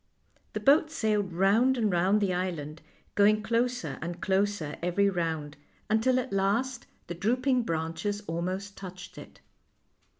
The boat sailed round and round the island, go ing closer and closer every round, until, at last, THE LITTLE WHITE CAT 135 the drooping branches almost touched it.